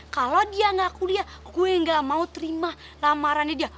kalau dia nggak kuliah gue gak mau terima lamarannya dia